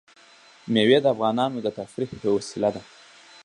مېوې د افغانانو د تفریح یوه وسیله ده.